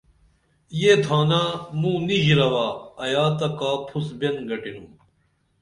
یہ تھانہ موں نی ژِروا ایا تہ کا پُھس بین گٹِنُم